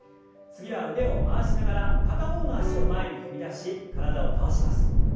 次は腕を回しながら片方の脚を前に踏み出し体を倒します。